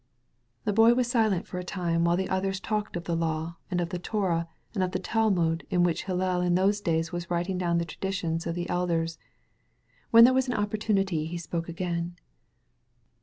The Boy was silent for a time, while the others talked of the law, and of the Torah, and of the Tal* mud in which Hillel in those days was writing down the traditions of the elders. When there was an opportunity he spoke again.